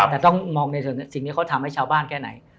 แต่ต้องมองในสิ่งที่เขาทำให้ชาวบ้านแค่ไหน